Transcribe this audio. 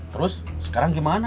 terus sekarang gimana